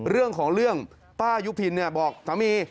เรื่องของเรื่องป้ายุพินบอกสามี